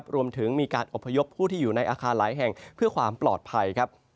รวมถึงมีการอบพยพผู้ที่อยู่ในอาคารหลายแห่งเพื่อความปลอดภัย